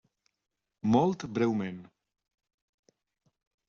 Molt breument.